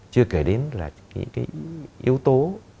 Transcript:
chưa kể đến là những cái yếu tố